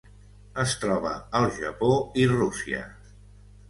Es troba al Japó i Rússia.